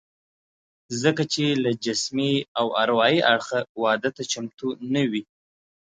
ځکه چې له جسمي او اروايي اړخه واده ته چمتو نه وي